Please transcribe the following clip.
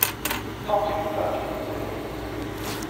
Maɣef ay kem-teɛjeb Lezzayer?